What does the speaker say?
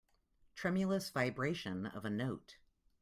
Tremulous vibration of a note.